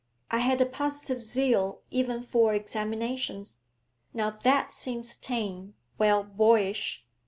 I had a positive zeal even for examinations; now that seems tame well, boyish.